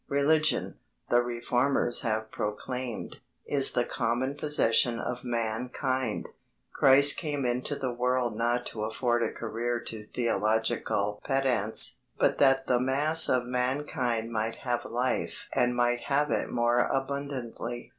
Religion, the reformers have proclaimed, is the common possession of mankind. Christ came into the world not to afford a career to theological pedants, but that the mass of mankind might have life and might have it more abundantly.